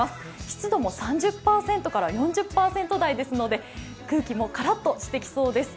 湿度も３０％から４０％台ですので、空気もカラッとしてきそうです。